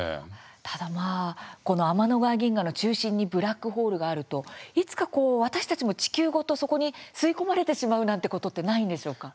ただ天の川銀河の中心にブラックホールがあるといつか私たちも地球ごとそこに吸い込まれてしまうなんてことってないんでしょうか？